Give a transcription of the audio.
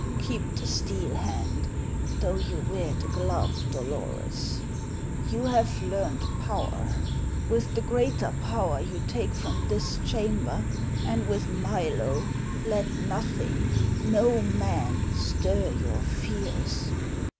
Keep the steel hand, though you wear the glove, Dolores. You have learned power; with the greater power you take from this chamber, and with Milo, let nothing, no man, stir your fears.